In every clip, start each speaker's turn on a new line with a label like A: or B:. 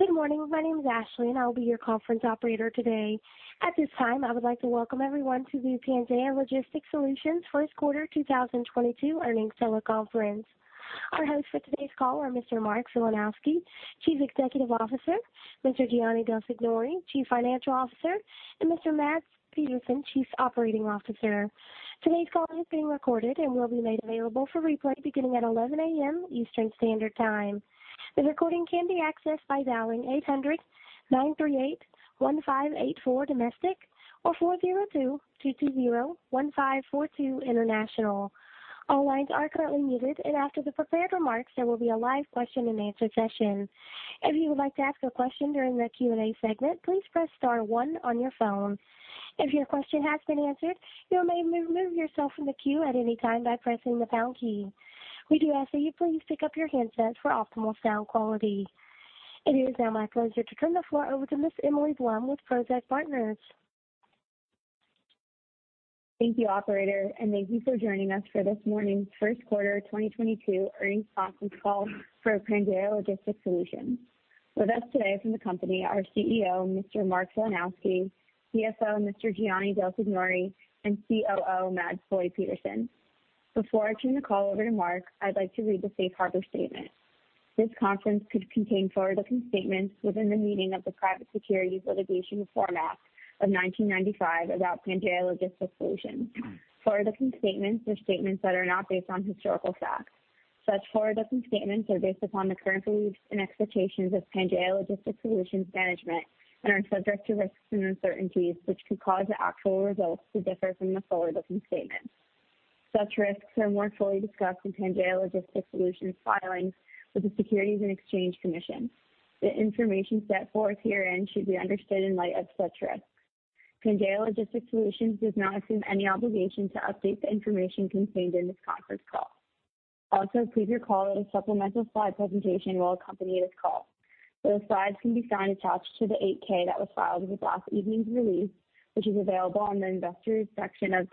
A: Good morning. My name is Ashley, and I'll be your conference operator today. At this time, I would like to welcome everyone to the Pangaea Logistics Solutions First Quarter 2022 earnings teleconference. Our hosts for today's call are Mr. Mark Filanowski, Chief Executive Officer, Mr. Gianni Del Signore, Chief Financial Officer, and Mr. Mads Petersen, Chief Operating Officer. Today's call is being recorded and will be made available for replay beginning at 11:00 A.M. Eastern Standard Time. The recording can be accessed by dialing 800-938-1584 domestic or 402-220-1542 international. All lines are currently muted, and after the prepared remarks, there will be a live question-and-answer session. If you would like to ask a question during the Q&A segment, please press star one on your phone. If your question has been answered, you may remove yourself from the queue at any time by pressing the pound key. We do ask that you please pick up your handsets for optimal sound quality. It is now my pleasure to turn the floor over to Ms. Emily Blum with Prosek Partners.
B: Thank you, Operator, and thank you for joining us for this morning's First Quarter 2022 earnings conference call for Pangaea Logistics Solutions. With us today from the company are CEO Mr. Mark Filanowski, CFO Mr. Gianni Del Signore, and COO Mads Boye Petersen. Before I turn the call over to Mark, I'd like to read the Safe Harbor Statement. This call could contain forward-looking statements within the meaning of the Private Securities Litigation Reform Act of 1995 about Pangaea Logistics Solutions. Forward-looking statements are statements that are not based on historical facts. Such forward-looking statements are based upon the current beliefs and expectations of Pangaea Logistics Solutions management and are subject to risks and uncertainties which could cause the actual results to differ from the forward-looking statements. Such risks are more fully discussed in Pangaea Logistics Solutions filings with the Securities and Exchange Commission. The information set forth herein should be understood in light of such risks. Pangaea Logistics Solutions does not assume any obligation to update the information contained in this conference call. Also, please recall that a supplemental slide presentation will accompany this call. Those slides can be found attached to the 8-K that was filed with last evening's release, which is available on the investors section of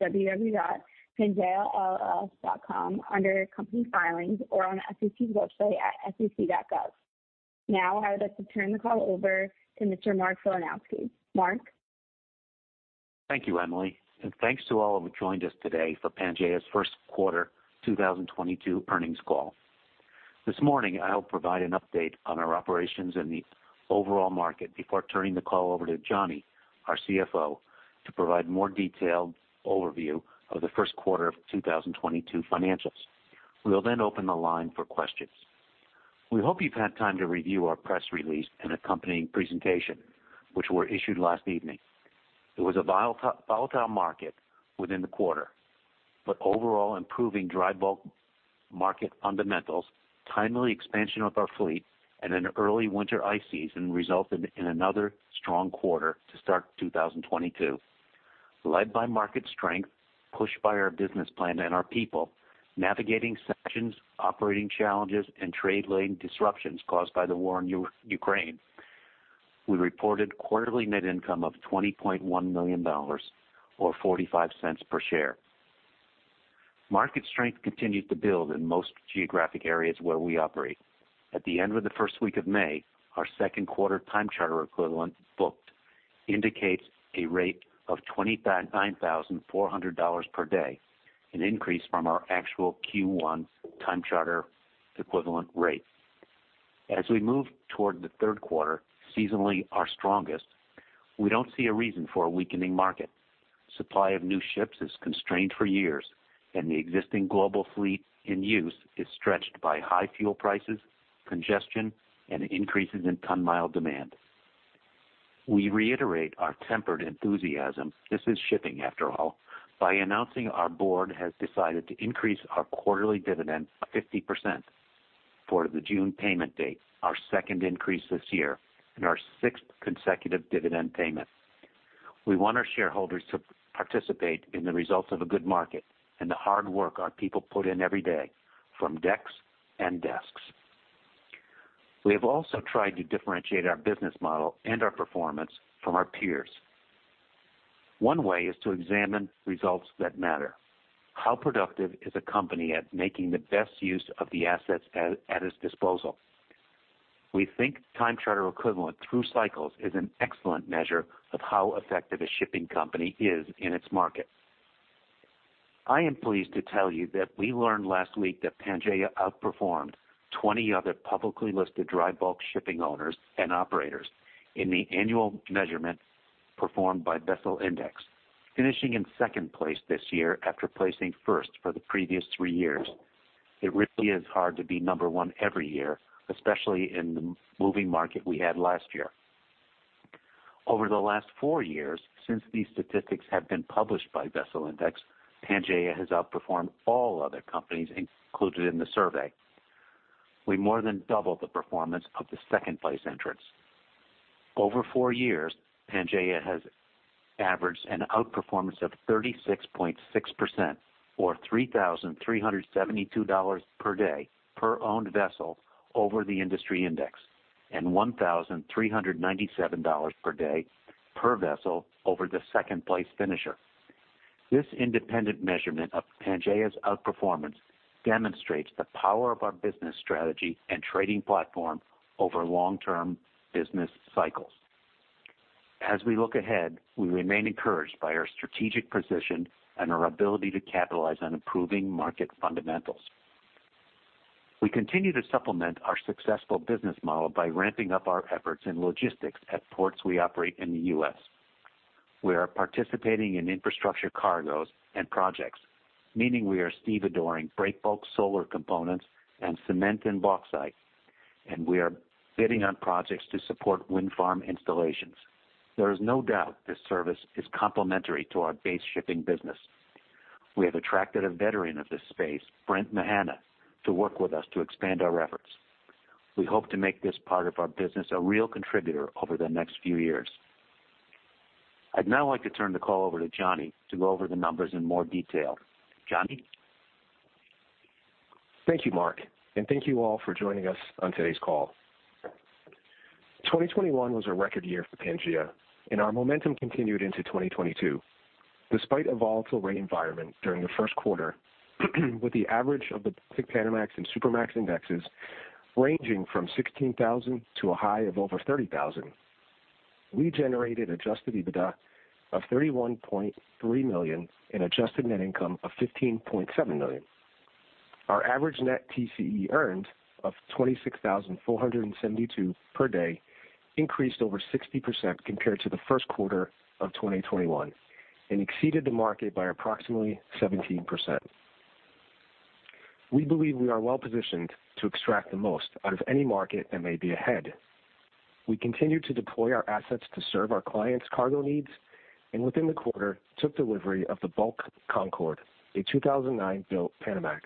B: www.pangaeall.com under Company Filings or on SEC's website at sec.gov. Now, I would like to turn the call over to Mr. Mark Filanowski. Mark.
C: Thank you, Emily, and thanks to all who have joined us today for Pangaea's First Quarter 2022 earnings call. This morning, I'll provide an update on our operations and the overall market before turning the call over to Gianni, our CFO, to provide a more detailed overview of the First Quarter of 2022 financials. We'll then open the line for questions. We hope you've had time to review our press release and accompanying presentation, which were issued last evening. It was a volatile market within the quarter, but overall improving dry bulk market fundamentals, timely expansion of our fleet, and an early winter ice season resulted in another strong quarter to start 2022. Led by market strength, pushed by our business plan and our people, navigating seasonal operating challenges, and trade-related disruptions caused by the war in Ukraine, we reported quarterly net income of $20.1 million or $0.45 per share. Market strength continues to build in most geographic areas where we operate. At the end of the first week of May, our second quarter time charter equivalent booked indicates a rate of $29,400 per day, an increase from our actual Q1 time charter equivalent rate. As we move toward the third quarter, seasonally our strongest, we don't see a reason for a weakening market. Supply of new ships is constrained for years, and the existing global fleet in use is stretched by high fuel prices, congestion, and increases in ton-mile demand. We reiterate our tempered enthusiasm (this is shipping, after all) by announcing our board has decided to increase our quarterly dividend by 50% for the June payment date, our second increase this year, and our sixth consecutive dividend payment. We want our shareholders to participate in the results of a good market and the hard work our people put in every day from decks and desks. We have also tried to differentiate our business model and our performance from our peers. One way is to examine results that matter. How productive is a company at making the best use of the assets at its disposal? We think time charter equivalent through cycles is an excellent measure of how effective a shipping company is in its market. I am pleased to tell you that we learned last week that Pangaea outperformed 20 other publicly listed dry bulk shipping owners and operators in the annual measurement performed by VesselIndex, finishing in second place this year after placing first for the previous three years. It really is hard to be number one every year, especially in the moving market we had last year. Over the last four years, since these statistics have been published by VesselIndex, Pangaea has outperformed all other companies included in the survey. We more than doubled the performance of the second-place entrants. Over four years, Pangaea has averaged an outperformance of 36.6% or $3,372 per day per owned vessel over the industry index and $1,397 per day per vessel over the second-place finisher. This independent measurement of Pangaea's outperformance demonstrates the power of our business strategy and trading platform over long-term business cycles. As we look ahead, we remain encouraged by our strategic position and our ability to capitalize on improving market fundamentals. We continue to supplement our successful business model by ramping up our efforts in logistics at ports we operate in the U.S. We are participating in infrastructure cargoes and projects, meaning we are stevedoring breakbulk solar components and cement and bauxite, and we are bidding on projects to support wind farm installations. There is no doubt this service is complementary to our base shipping business. We have attracted a veteran of this space, Brent Mahana, to work with us to expand our efforts. We hope to make this part of our business a real contributor over the next few years. I'd now like to turn the call over to Gianni to go over the numbers in more detail. Gianni?
D: Thank you, Mark, and thank you all for joining us on today's call. 2021 was a record year for Pangaea, and our momentum continued into 2022. Despite a volatile rate environment during the first quarter, with the average of the Pacific Panamax and Supramax indexes ranging from 16,000 to a high of over 30,000, we generated Adjusted EBITDA of $31.3 million and adjusted net income of $15.7 million. Our average net TCE earned of $26,472 per day increased over 60% compared to the first quarter of 2021 and exceeded the market by approximately 17%. We believe we are well positioned to extract the most out of any market that may be ahead. We continue to deploy our assets to serve our clients' cargo needs, and within the quarter, took delivery of the Bulk Concord, a 2009-built Panamax,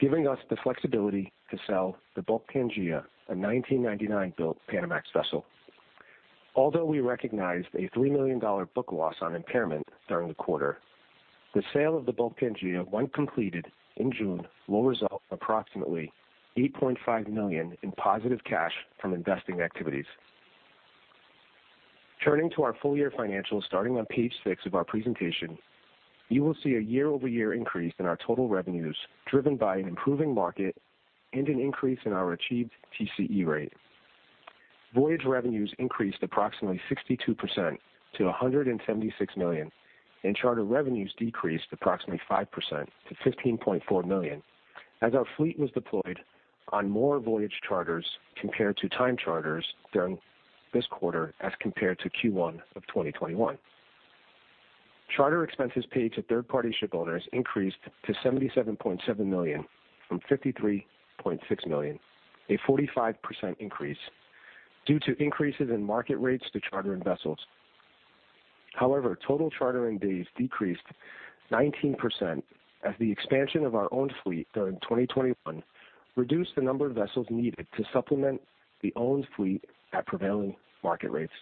D: giving us the flexibility to sell the Bulk Pangaea, a 1999-built Panamax vessel. Although we recognized a $3 million book loss on impairment during the quarter, the sale of the Bulk Pangaea, once completed in June, will result in approximately $8.5 million in positive cash from investing activities. Turning to our full-year financials starting on page 6 of our presentation, you will see a year-over-year increase in our total revenues driven by an improving market and an increase in our achieved TCE rate. Voyage revenues increased approximately 62% to $176 million, and charter revenues decreased approximately 5% to $15.4 million as our fleet was deployed on more voyage charters compared to time charters during this quarter as compared to Q1 of 2021. Charter expenses paid to third-party shipowners increased to $77.7 million from $53.6 million, a 45% increase due to increases in market rates to chartering vessels. However, total chartering days decreased 19% as the expansion of our owned fleet during 2021 reduced the number of vessels needed to supplement the owned fleet at prevailing market rates.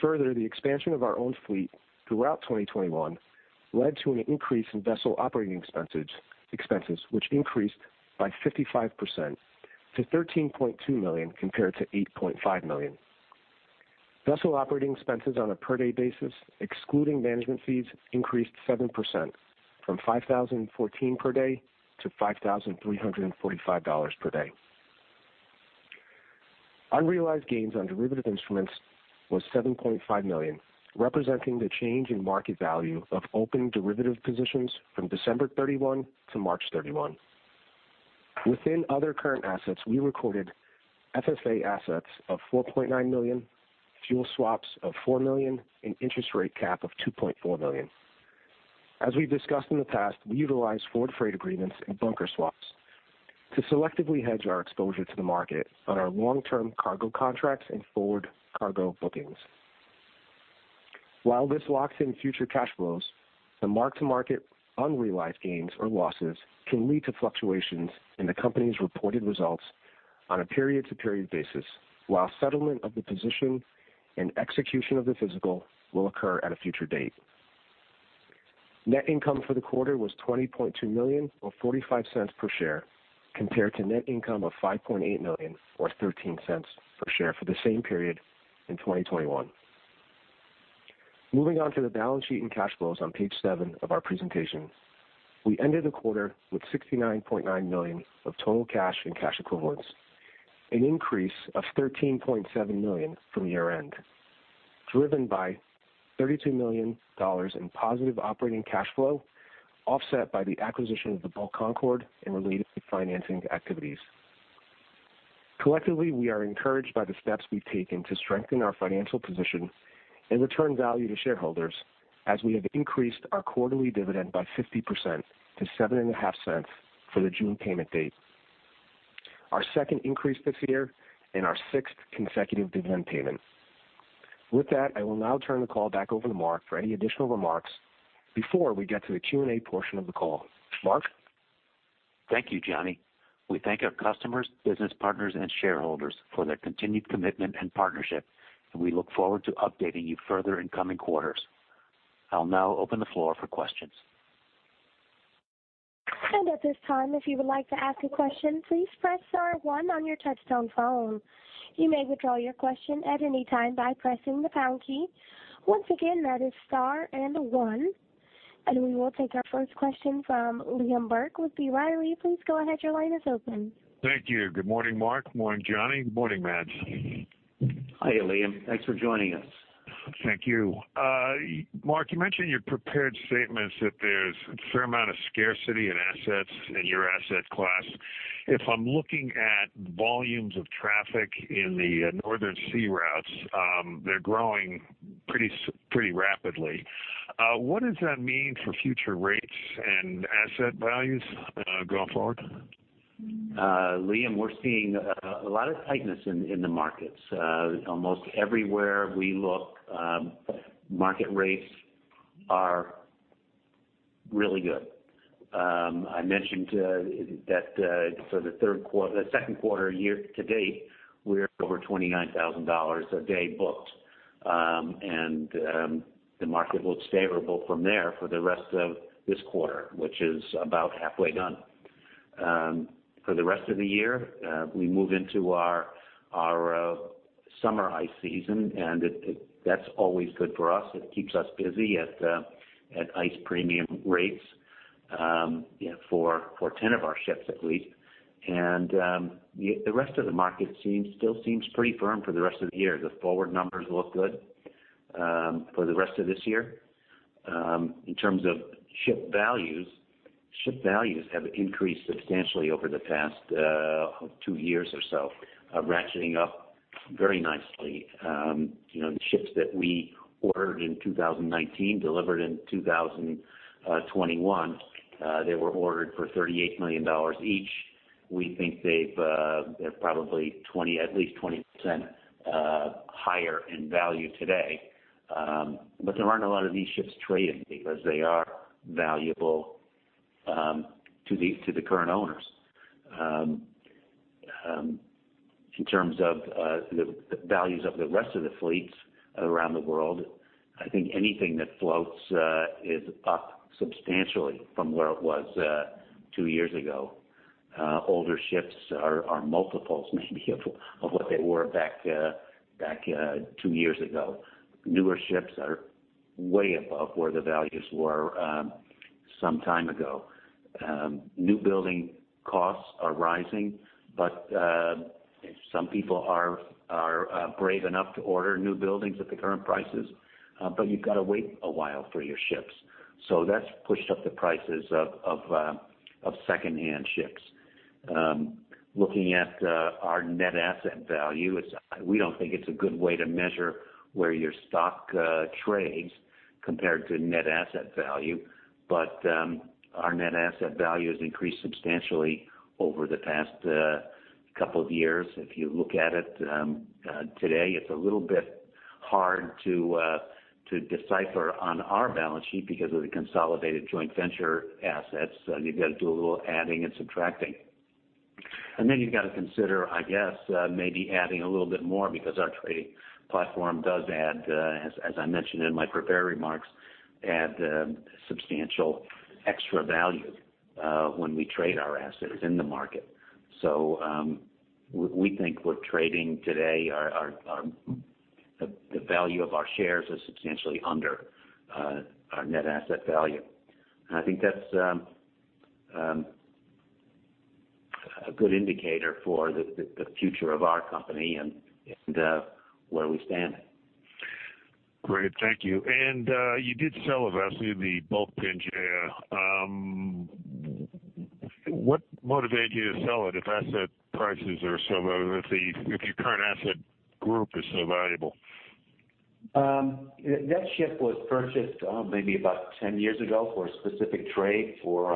D: Further, the expansion of our owned fleet throughout 2021 led to an increase in vessel operating expenses, which increased by 55% to $13.2 million compared to $8.5 million. Vessel operating expenses on a per-day basis, excluding management fees, increased 7% from $5,014 per day to $5,345 per day. Unrealized gains on derivative instruments were $7.5 million, representing the change in market value of open derivative positions from December 31, 2021 to March 31, 2022. Within other current assets, we recorded FFA assets of $4.9 million, fuel swaps of $4 million, and interest rate cap of $2.4 million. As we've discussed in the past, we utilize forward freight agreements and bunker swaps to selectively hedge our exposure to the market on our long-term cargo contracts and forward cargo bookings. While this locks in future cash flows, the mark-to-market unrealized gains or losses can lead to fluctuations in the company's reported results on a period-to-period basis, while settlement of the position and execution of the physical will occur at a future date. Net income for the quarter was $20.2 million or $0.45 per share compared to net income of $5.8 million or $0.13 per share for the same period in 2021. Moving on to the balance sheet and cash flows on page seven of our presentation, we ended the quarter with $69.9 million of total cash and cash equivalents, an increase of $13.7 million from year-end, driven by $32 million in positive operating cash flow offset by the acquisition of the Bulk Concord and related financing activities. Collectively, we are encouraged by the steps we've taken to strengthen our financial position and return value to shareholders as we have increased our quarterly dividend by 50% to $0.075 for the June payment date, our second increase this year, and our sixth consecutive dividend payment. With that, I will now turn the call back over to Mark for any additional remarks before we get to the Q&A portion of the call. Mark?
C: Thank you, Gianni. We thank our customers, business partners, and shareholders for their continued commitment and partnership, and we look forward to updating you further in coming quarters. I'll now open the floor for questions.
A: At this time, if you would like to ask a question, please press star one on your touch-tone phone. You may withdraw your question at any time by pressing the pound key. Once again, that is star and one. We will take our first question from Liam Burke with B. Riley Securities. Please go ahead. Your line is open.
E: Thank you. Good morning, Mark. Morning, Gianni. Good morning, Mads.
C: Hi, Liam. Thanks for joining us.
E: Thank you. Mark, you mentioned your prepared statements that there's a fair amount of scarcity in assets in your asset class. If I'm looking at volumes of traffic in the Northern Sea routes, they're growing pretty rapidly. What does that mean for future rates and asset values going forward?
C: Liam, we're seeing a lot of tightness in the markets. Almost everywhere we look, market rates are really good. I mentioned that for the second quarter year to date, we're over $29,000 a day booked, and the market looks favorable from there for the rest of this quarter, which is about halfway done. For the rest of the year, we move into our summer ice season, and that's always good for us. It keeps us busy at ice premium rates for 10 of our ships at least. And the rest of the market still seems pretty firm for the rest of the year. The forward numbers look good for the rest of this year. In terms of ship values, ship values have increased substantially over the past two years or so, ratcheting up very nicely. The ships that we ordered in 2019, delivered in 2021, they were ordered for $38 million each. We think they're probably at least 20% higher in value today, but there aren't a lot of these ships trading because they are valuable to the current owners. In terms of the values of the rest of the fleets around the world, I think anything that floats is up substantially from where it was two years ago. Older ships are multiples, maybe, of what they were back two years ago. Newer ships are way above where the values were some time ago. New building costs are rising, but some people are brave enough to order new buildings at the current prices, but you've got to wait a while for your ships. So that's pushed up the prices of secondhand ships. Looking at our Net Asset Value, we don't think it's a good way to measure where your stock trades compared to Net Asset Value, but our Net Asset Value has increased substantially over the past couple of years. If you look at it today, it's a little bit hard to decipher on our balance sheet because of the consolidated joint venture assets. You've got to do a little adding and subtracting, and then you've got to consider, I guess, maybe adding a little bit more because our trading platform does add, as I mentioned in my prepared remarks, add substantial extra value when we trade our assets in the market. So we think we're trading today the value of our shares is substantially under our Net Asset Value, and I think that's a good indicator for the future of our company and where we stand.
E: Great. Thank you. And you did sell a vessel, the Bulk Pangaea. What motivated you to sell it if asset prices are so valuable, if your current asset group is so valuable?
C: That ship was purchased maybe about 10 years ago for a specific trade for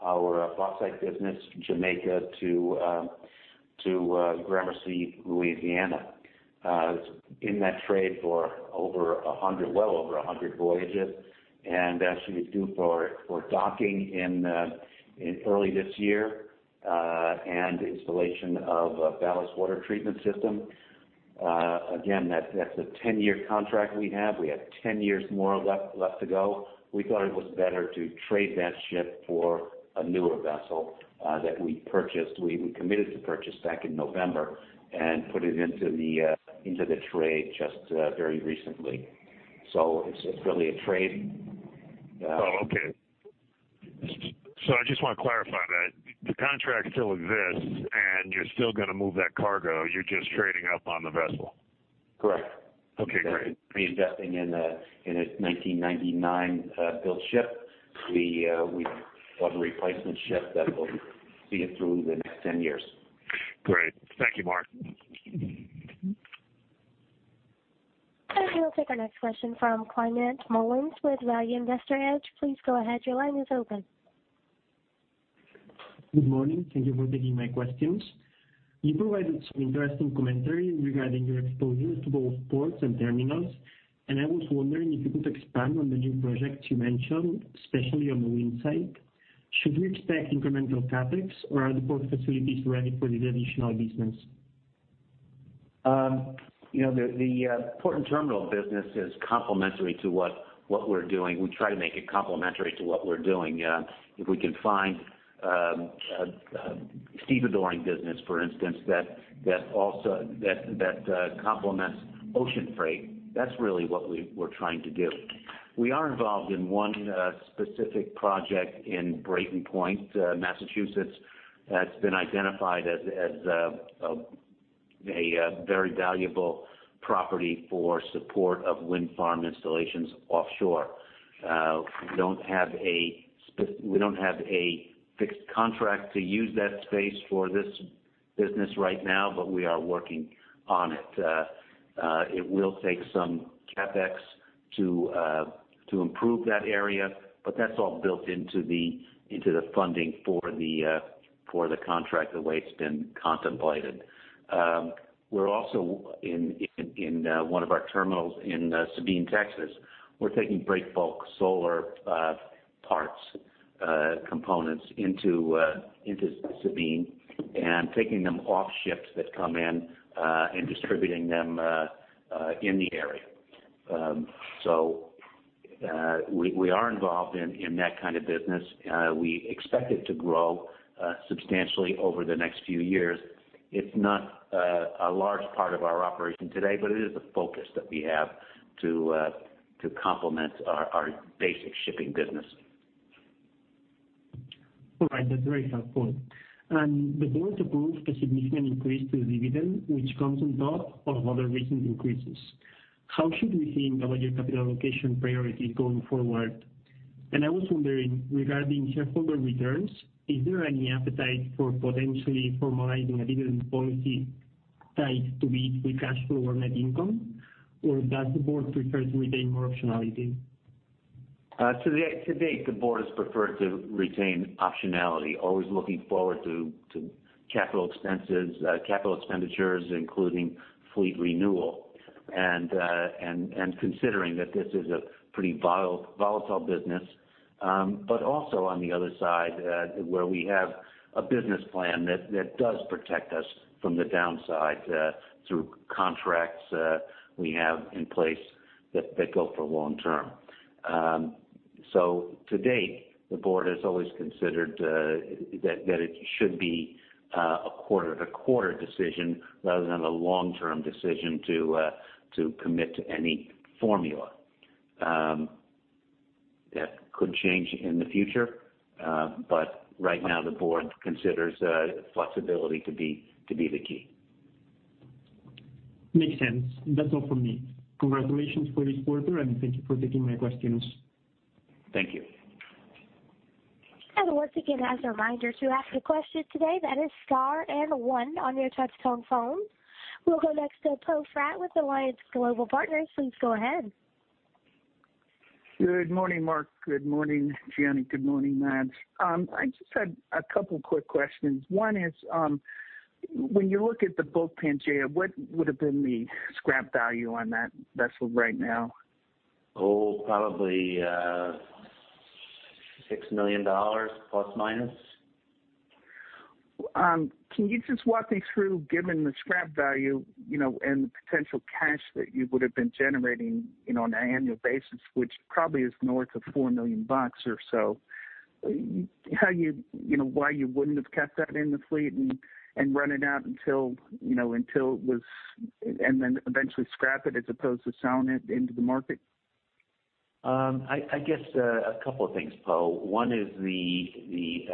C: our bauxite business, Jamaica to Gramercy, Louisiana. In that trade for well over 100 voyages, and she was due for docking in early this year and installation of a ballast water treatment system. Again, that's a 10-year contract we have. We have 10 years more left to go. We thought it was better to trade that ship for a newer vessel that we committed to purchase back in November and put it into the trade just very recently, so it's really a trade.
E: Oh, okay. So I just want to clarify that the contract still exists and you're still going to move that cargo. You're just trading up on the vessel.
C: Correct.
E: Okay. Great.
C: Reinvesting in a 1999-built ship. We bought a replacement ship that will see it through the next 10 years.
E: Great. Thank you, Mark.
A: We'll take our next question from Climent Molins with Value Investor Edge. Please go ahead. Your line is open.
F: Good morning. Thank you for taking my questions. You provided some interesting commentary regarding your exposure to both ports and terminals, and I was wondering if you could expand on the new projects you mentioned, especially on the wind side. Should we expect incremental CapEx, or are the port facilities ready for this additional business?
C: The port and terminal business is complementary to what we're doing. We try to make it complementary to what we're doing. If we can find stevedoring business, for instance, that complements ocean freight, that's really what we're trying to do. We are involved in one specific project in Brayton Point, Massachusetts. It's been identified as a very valuable property for support of wind farm installations offshore. We don't have a fixed contract to use that space for this business right now, but we are working on it. It will take some CapEx to improve that area, but that's all built into the funding for the contract the way it's been contemplated. We're also in one of our terminals in Sabine, Texas. We're taking breakbulk solar parts, components into Sabine and taking them off ships that come in and distributing them in the area. So we are involved in that kind of business. We expect it to grow substantially over the next few years. It's not a large part of our operation today, but it is a focus that we have to complement our basic shipping business.
F: All right. That's a very tough point. And the board approved a significant increase to the dividend, which comes on top of other recent increases. How should we think about your capital allocation priorities going forward? And I was wondering regarding shareholder returns, is there any appetite for potentially formalizing a dividend policy tied to EBITDA with cash flow or net income, or does the board prefer to retain more optionality?
C: To date, the board has preferred to retain optionality, always looking forward to capital expenditures, including fleet renewal and considering that this is a pretty volatile business. But also, on the other side, where we have a business plan that does protect us from the downside through contracts we have in place that go for long term. So to date, the board has always considered that it should be a quarter-to-quarter decision rather than a long-term decision to commit to any formula. That could change in the future, but right now, the board considers flexibility to be the key.
F: Makes sense. That's all from me. Congratulations for this quarter, and thank you for taking my questions.
C: Thank you.
A: Once again, as a reminder to ask a question today, that is star and one on your touch-tone phone. We'll go next to Poe Fratt with Alliance Global Partners. Please go ahead.
G: Good morning, Mark. Good morning, Gianni. Good morning, Mads. I just had a couple of quick questions. One is, when you look at the Bulk Pangaea, what would have been the scrap value on that vessel right now?
C: Oh, probably $6 million, plus minus.
G: Can you just walk me through, given the scrap value and the potential cash that you would have been generating on an annual basis, which probably is north of $4 million or so, why you wouldn't have kept that in the fleet and run it out until it was and then eventually scrap it as opposed to selling it into the market?
C: I guess a couple of things, Poe. One is the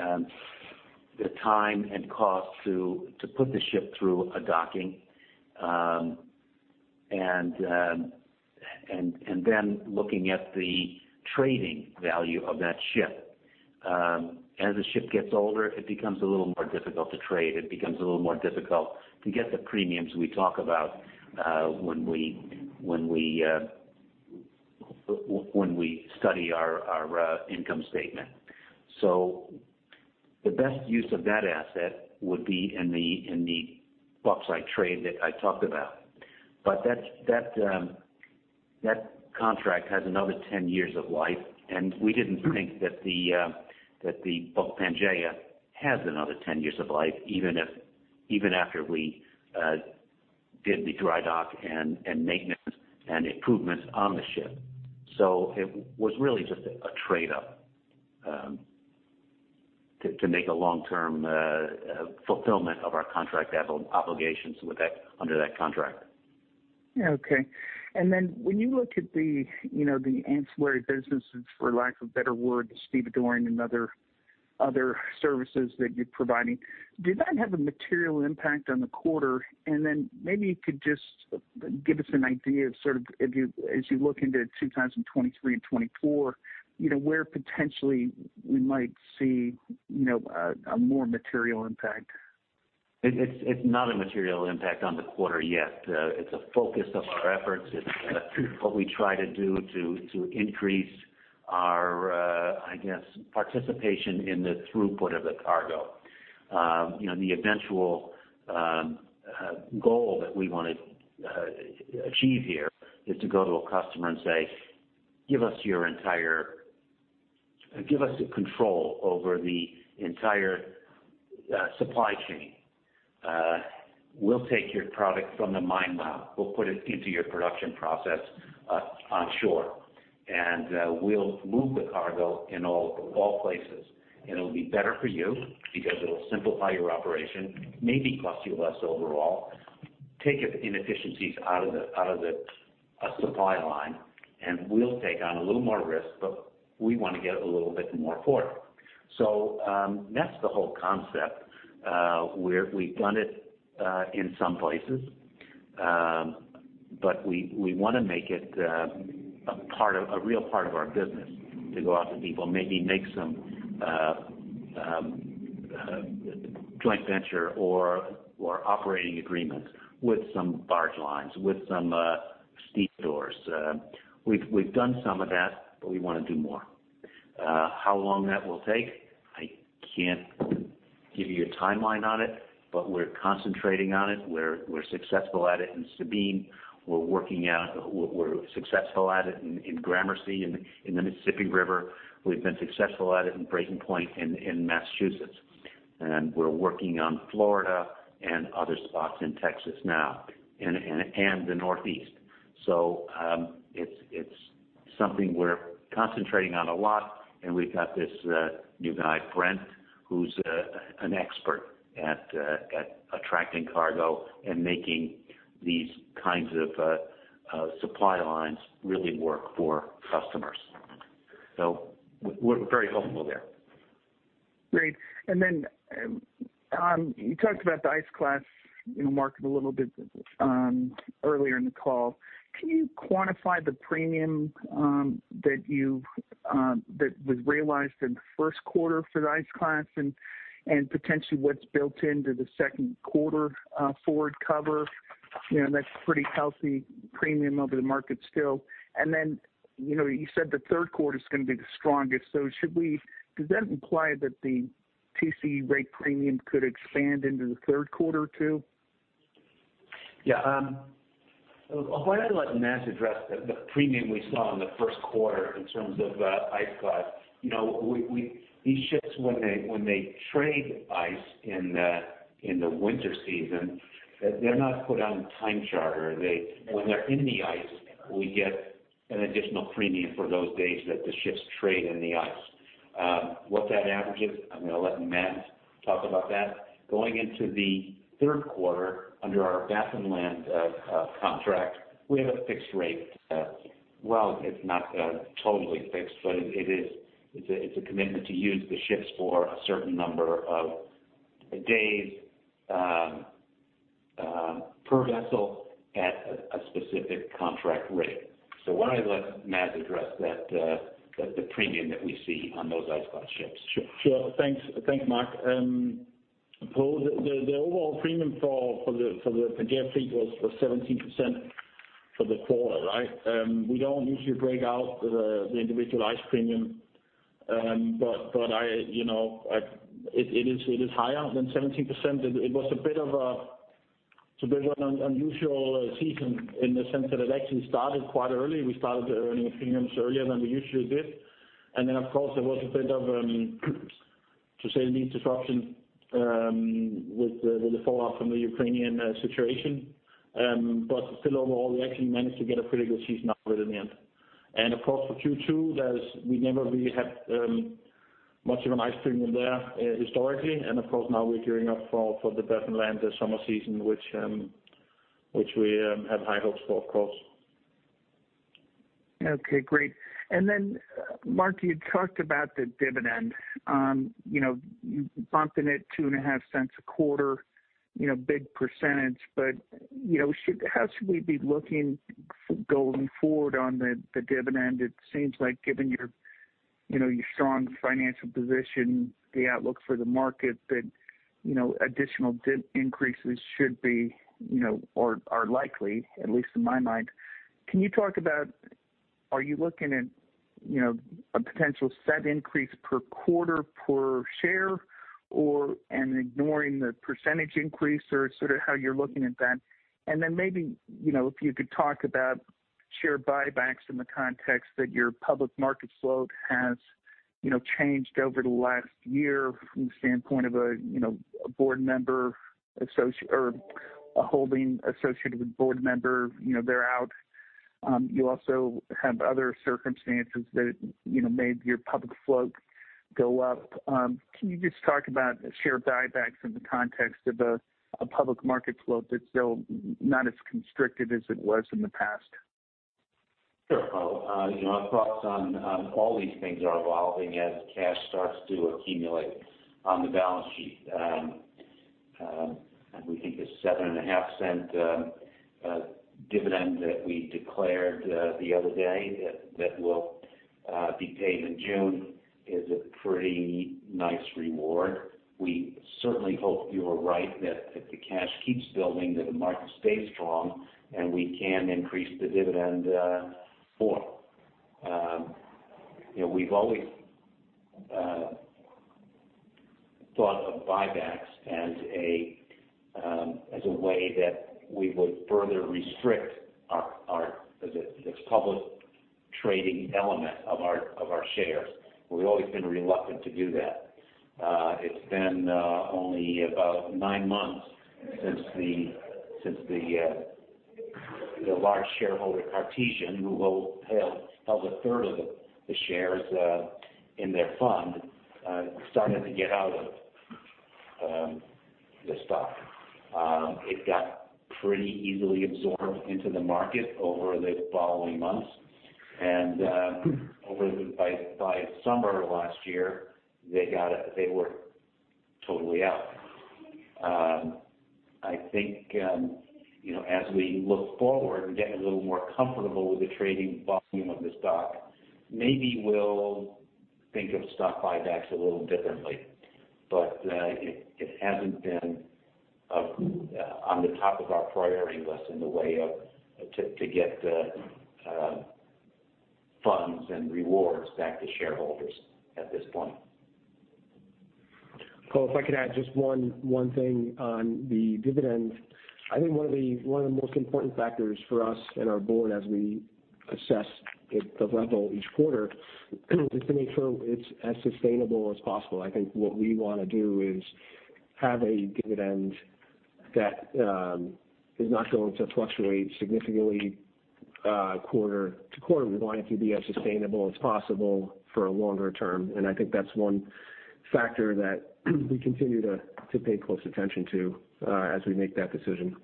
C: time and cost to put the ship through a docking and then looking at the trading value of that ship. As the ship gets older, it becomes a little more difficult to trade. It becomes a little more difficult to get the premiums we talk about when we study our income statement. So the best use of that asset would be in the bauxite trade that I talked about. But that contract has another 10 years of life, and we didn't think that the Bulk Pangaea has another 10 years of life, even after we did the dry dock and maintenance and improvements on the ship. So it was really just a trade-off to make a long-term fulfillment of our contract obligations under that contract.
G: Okay. And then when you look at the ancillary businesses, for lack of a better word, the stevedoring and other services that you're providing, did that have a material impact on the quarter? And then maybe you could just give us an idea of sort of, as you look into 2023 and 2024, where potentially we might see a more material impact.
C: It's not a material impact on the quarter yet. It's a focus of our efforts. It's what we try to do to increase our, I guess, participation in the throughput of the cargo. The eventual goal that we want to achieve here is to go to a customer and say, "Give us your entire give us control over the entire supply chain. We'll take your product from the mine well. We'll put it into your production process onshore, and we'll move the cargo in all places. And it'll be better for you because it'll simplify your operation, maybe cost you less overall, take inefficiencies out of the supply line, and we'll take on a little more risk, but we want to get a little bit more for it." So that's the whole concept. We've done it in some places, but we want to make it a real part of our business to go out to people, maybe make some joint venture or operating agreements with some barge lines, with some stevedores. We've done some of that, but we want to do more. How long that will take? I can't give you a timeline on it, but we're concentrating on it. We're successful at it in Sabine. We're successful at it in Gramercy, in the Mississippi River. We've been successful at it in Brayton Point in Massachusetts. And we're working on Florida and other spots in Texas now and the Northeast. So it's something we're concentrating on a lot, and we've got this new guy, Brent, who's an expert at attracting cargo and making these kinds of supply lines really work for customers. So we're very hopeful there.
G: Great. And then you talked about the Ice Class market a little bit earlier in the call. Can you quantify the premium that was realized in the first quarter for the Ice Class and potentially what's built into the second quarter forward cover? That's a pretty healthy premium over the market still. And then you said the third quarter is going to be the strongest. So does that imply that the TC rate premium could expand into the third quarter too?
C: Yeah. I'll go ahead and let Mads address the premium we saw in the first quarter in terms of ice class. These ships, when they trade ice in the winter season, they're not put on time charter. When they're in the ice, we get an additional premium for those days that the ships trade in the ice. What that average is, I'm going to let Mads talk about that. Going into the third quarter under our Baffinland contract, we have a fixed rate. Well, it's not totally fixed, but it's a commitment to use the ships for a certain number of days per vessel at a specific contract rate. So why don't I let Mads address the premium that we see on those ice class ships?
H: Sure. Thanks, Mark. Poe, the overall premium for the Pangaea fleet was 17% for the quarter, right? We don't usually break out the individual ice premium, but it is higher than 17%. It was a bit of an unusual season in the sense that it actually started quite early. We started earning premiums earlier than we usually did. And then, of course, there was a bit of, to say the least, disruption with the fallout from the Ukrainian situation. But still, overall, we actually managed to get a pretty good season out of it in the end. And, of course, for Q2, we never really had much of an ice premium there historically. And, of course, now we're gearing up for the Baffinland summer season, which we have high hopes for, of course.
G: Okay. Great. And then, Mark, you talked about the dividend. You bumped it $0.025 a quarter, big percentage. But how should we be looking going forward on the dividend? It seems like, given your strong financial position, the outlook for the market, that additional increases should be or are likely, at least in my mind. Can you talk about, are you looking at a potential set increase per quarter per share and ignoring the percentage increase or sort of how you're looking at that? And then maybe if you could talk about share buybacks in the context that your public market float has changed over the last year from the standpoint of a board member or a holding associated with board member, they're out. You also have other circumstances that made your public float go up. Can you just talk about share buybacks in the context of a public market float that's still not as constricted as it was in the past?
C: Sure, Poe. Our thoughts on all these things are evolving as cash starts to accumulate on the balance sheet. We think the $0.075 dividend that we declared the other day that will be paid in June is a pretty nice reward. We certainly hope you are right that the cash keeps building, that the market stays strong, and we can increase the dividend more. We've always thought of buybacks as a way that we would further restrict our public trading element of our shares. We've always been reluctant to do that. It's been only about nine months since the large shareholder Cartesian, who held a third of the shares in their fund, started to get out of the stock. It got pretty easily absorbed into the market over the following months, and by summer last year, they were totally out. I think as we look forward and get a little more comfortable with the trading volume of the stock, maybe we'll think of stock buybacks a little differently. But it hasn't been on the top of our priority list in the way of to get funds and rewards back to shareholders at this point.
H: Poe, if I could add just one thing on the dividend. I think one of the most important factors for us and our board as we assess the level each quarter is to make sure it's as sustainable as possible. I think what we want to do is have a dividend that is not going to fluctuate significantly quarter to quarter. We want it to be as sustainable as possible for a longer term. And I think that's one factor that we continue to pay close attention to as we make that decision.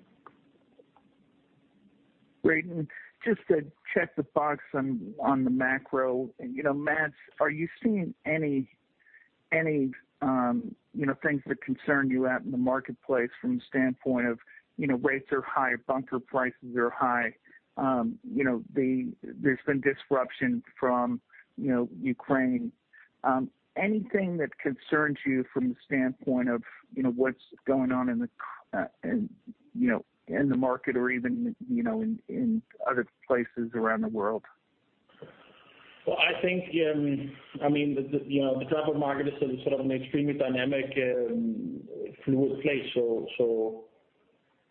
G: Great. And just to check the box on the macro, Mads, are you seeing any things that concern you out in the marketplace from the standpoint of rates are high, bunker prices are high? There's been disruption from Ukraine. Anything that concerns you from the standpoint of what's going on in the market or even in other places around the world?
H: I think, I mean, the global market is sort of an extremely dynamic, fluid place.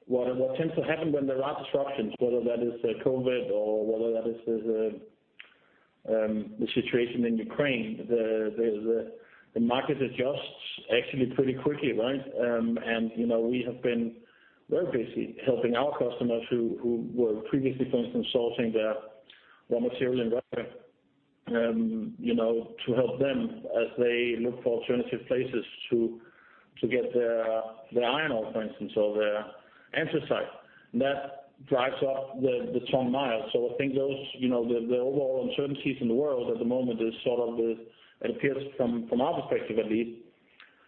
H: What tends to happen when there are disruptions, whether that is COVID or whether that is the situation in Ukraine, the market adjusts actually pretty quickly, right? We have been very busy helping our customers who were previously, for instance, sourcing their raw material in Russia to help them as they look for alternative places to get their iron ore, for instance, or their anthracite. That drives up the ton miles. I think the overall uncertainties in the world at the moment is sort of, it appears from our perspective at least,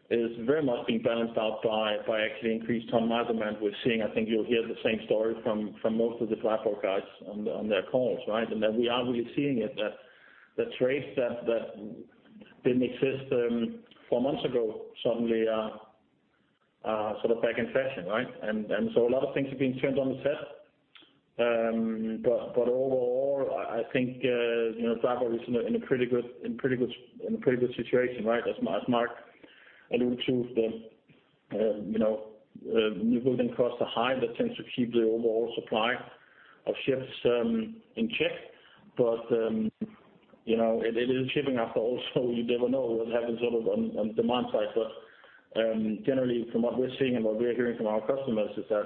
H: is very much being balanced out by actually increased ton mile demand we're seeing. I think you'll hear the same story from most of the Baltic guys on their calls, right? Then we are really seeing that trades that didn't exist four months ago suddenly are sort of back in fashion, right? And so a lot of things are being turned on the tap. But overall, I think the Baltic is in a pretty good situation, right? As Mark alluded to, the newbuilding costs are high. That tends to keep the overall supply of ships in check. But it is shipping after all, so you never know what happens sort of on the demand side. But generally, from what we're seeing and what we're hearing from our customers is that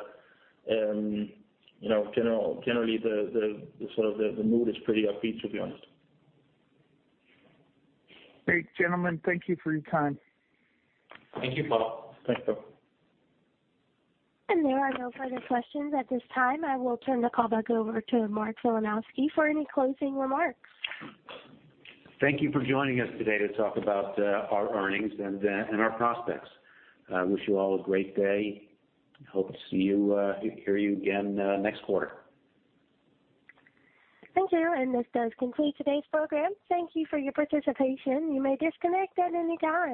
H: generally, sort of the mood is pretty upbeat, to be honest.
G: Great. Gentlemen, thank you for your time.
C: Thank you, Poe.
G: Thanks, Poe.
A: There are no further questions at this time. I will turn the call back over to Mark Filanowski for any closing remarks.
C: Thank you for joining us today to talk about our earnings and our prospects. I wish you all a great day. Hope to hear you again next quarter.
A: Thank you. And this does conclude today's program. Thank you for your participation. You may disconnect at any time.